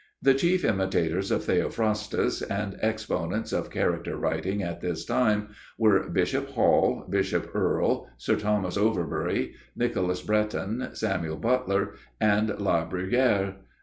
The chief imitators of Theophrastus and exponents of character writing at this time were Bishop Hall, Bishop Earle, Sir Thomas Overbury, Nicholas Breton, Samuel Butler, and La Bruyère.